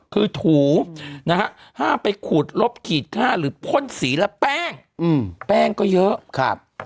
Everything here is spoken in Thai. คือถูนะฮะห้ามไปขูดลบขีดค่าหรือพ่นสีและแป้งแป้งก็เยอะครับ